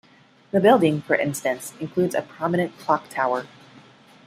The building, for instance, includes a prominent clock tower.